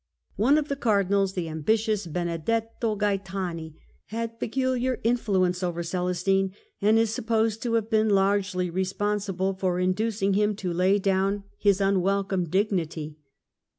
One of the Cardinals, the ambitious Benedetto Gaetani, had peculiar influ ence over Celestine and is supposed to have been largely responsible for inducing him to lay down his un welcome dignity.